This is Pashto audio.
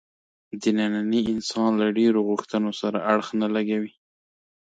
د ننني انسان له ډېرو غوښتنو سره اړخ نه لګوي.